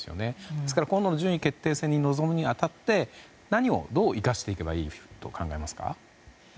ですから今度の順位決定戦に臨むに当たって何をどう生かしていけばいいと考えますか？